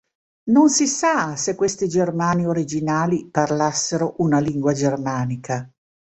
Non si sa se questi Germani originali parlassero una lingua germanica.